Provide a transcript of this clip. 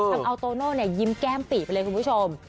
เออทำเอาโตโน่นเนี่ยยิ้มแก้มปีไปเลยคุณผู้ชม